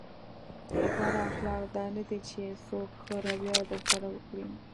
غوره اخلاق دا نه دي چې څوک ښه رويه درسره وکړي.